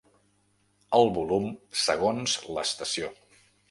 El volum Segons l’estació.